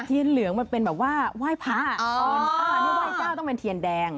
เหลืองมันเป็นแบบว่าไหว้พระนี่ไหว้เจ้าต้องเป็นเทียนแดง